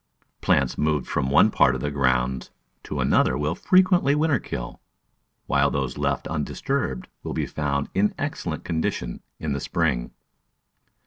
Plants moved from one part of the grounds to another will frequently winter kill, while those left undisturbed will be found in excellent condition in the spring.